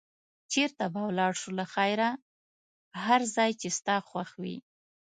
چېرته به ولاړ شو له خیره؟ هر ځای چې ستا خوښ وي.